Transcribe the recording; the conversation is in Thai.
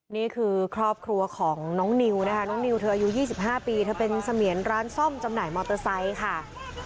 นี่คือครอบครัวของน้องนิวนะคะน้องนิวเธออายุ๒๕ปีเธอเป็นเสมียนร้านซ่อมจำหน่ายมอเตอร์ไซค์ค่ะ